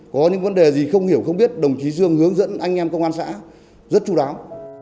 có những vấn đề gì không hiểu không biết đồng chí dương hướng dẫn anh em công an xã rất chú đáo